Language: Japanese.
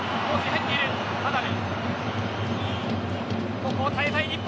ここを耐えたい日本。